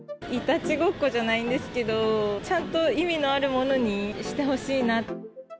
いたちごっこじゃないんですけど、ちゃんと意味のあるものにしてほしいな。